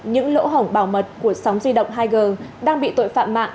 những lỗ hổng bảo mật của sóng di động hai g đang bị tội phạm mạng